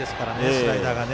スライダーがね。